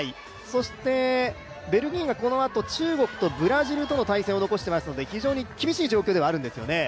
そしてベルギーがこのあと中国とブラジルとの対戦を残していますので非常に厳しい状況ではあるんですよね。